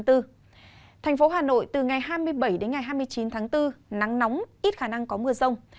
thành phố hà nội từ ngày hai mươi bảy đến ngày hai mươi chín tháng bốn nắng nóng ít khả năng có mưa rông